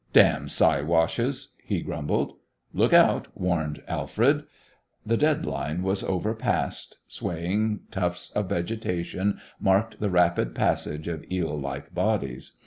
"Damn siwashes!" he grumbled. "Look out!" warned Alfred. The dead line was overpassed. Swaying tufts of vegetation marked the rapid passage of eel like bodies.